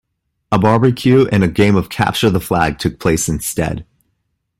A barbecue and a game of Capture the Flag took place instead.